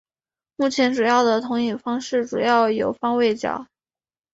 目前主要的投影方式主要有方位角。